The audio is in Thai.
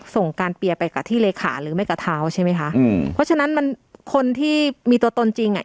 ส่งการเปียร์ไปกับที่เลขาหรือไม่กับเท้าใช่ไหมคะอืมเพราะฉะนั้นมันคนที่มีตัวตนจริงอ่ะ